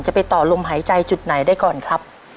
ไปต่อลมหายใจจุดไหนได้ก่อนครับ